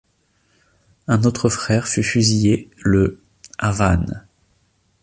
Un autre frère fut fusillé le à Vannes.